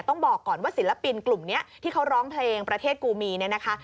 ต้องบอกก่อนว่าศิลปินกลุ่มนี้ที่เขาร้องเพลงประเทศกูมีเนี่ยนะคะ